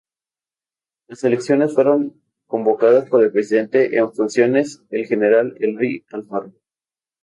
Las elecciones fueron convocadas por el presidente en funciones el general Eloy Alfaro.